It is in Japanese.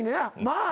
「まあ」